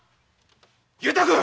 雄太君！